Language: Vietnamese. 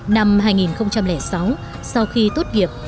năm hai nghìn sáu sau khi tốt nghiệp chị trở về việt nam